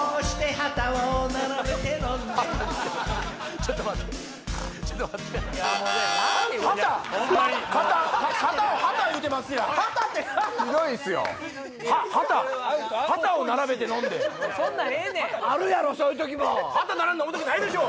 旗並んで飲む時ないでしょ！